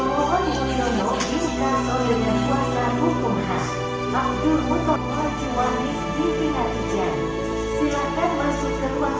nah di sd smp yang sma cukup sedikit apalagi sarjana amat sangat sedikit